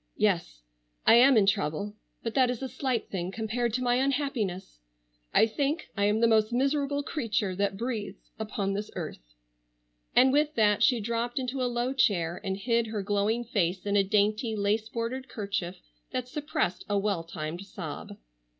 "Yes, I am in trouble. But that is a slight thing compared to my unhappiness. I think I am the most miserable creature that breathes upon this earth." And with that she dropped into a low chair and hid her glowing face in a dainty, lace bordered kerchief that suppressed a well timed sob.